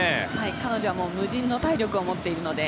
彼女は無尽の体力を持っているので。